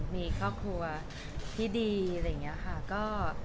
มีครอบครัวที่ดีอะไรอย่างนี้ค่ะ